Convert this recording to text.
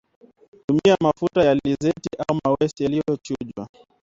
Tumia mafuta ya alizeti au mawese yaliyochujwa